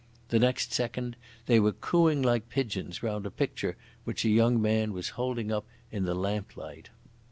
The next second they were cooing like pigeons round a picture which a young man was holding up in the lamplight.